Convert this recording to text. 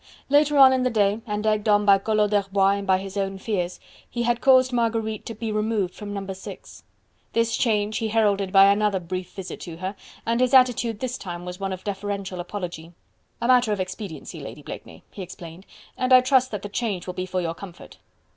Later on in the day, and egged on by Collot d'Herbois and by his own fears, he had caused Marguerite to be removed from No. 6. This change he heralded by another brief visit to her, and his attitude this time was one of deferential apology. "A matter of expediency, Lady Blakeney," he explained, "and I trust that the change will be for your comfort."